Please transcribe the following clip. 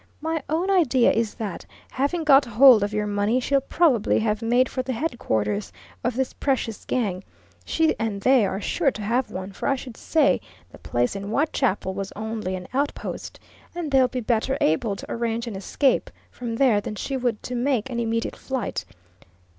"My own idea is that, having got hold of your money, she'll probably have made for the headquarters of this precious gang, she and they are sure to have one, for I should say the place in Whitechapel was only an outpost, and they'll be better able to arrange an escape from there than she would to make an immediate flight.